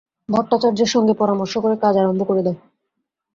ভট্টাচার্যের সঙ্গে পরামর্শ করে কাজ আরম্ভ করে দাও।